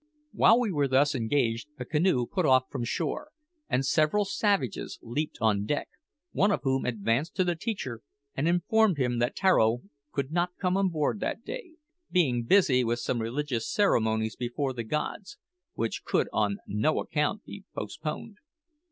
While we were thus engaged a canoe put off from shore, and several savages leaped on deck, one of whom advanced to the teacher and informed him that Tararo could not come on board that day, being busy with some religious ceremonies before the gods, which could on no account be postponed.